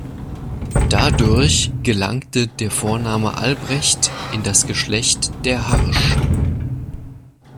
Dadurch gelangte der Vorname Albrecht in das Geschlecht der Harsch.